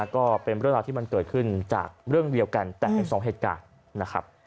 ก็เป็นเรื่องราวที่มันเกิดขึ้นจากเรื่องเดียวกันแต่เป็นสองเหตุการณ์นะครับ